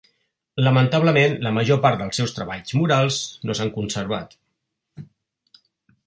Lamentablement, la major part dels seus treballs murals no s'han conservat.